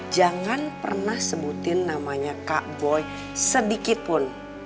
jangan pernah sebutin namanya kak boy sedikitpun